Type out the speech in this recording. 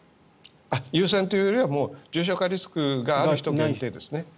優先というより重症化リスクがある人ですね。